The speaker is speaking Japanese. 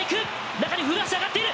中に古橋が上がっている。